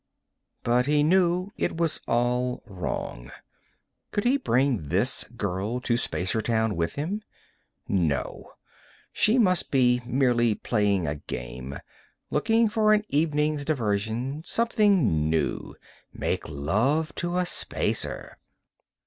But he knew it was all wrong. Could he bring this girl to Spacertown with him? No; she must be merely playing a game, looking for an evening's diversion. Something new: make love to a Spacer.